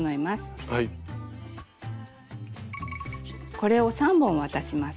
これを３本渡します。